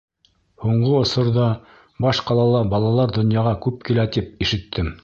Һуңғы осорҙа баш ҡалала балалар донъяға күп килә тип ишеттем.